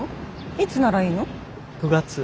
いつならいいの？９月。